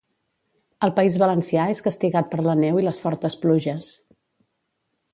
El País Valencià és castigat per la neu i les fortes pluges.